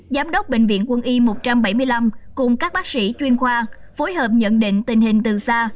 giám đốc bệnh viện quân y một trăm bảy mươi năm cùng các bác sĩ chuyên khoa phối hợp nhận định tình hình từ xa